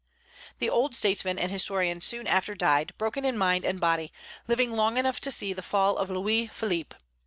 The old statesman and historian soon after died, broken in mind and body, living long enough to see the fall of Louis Philippe.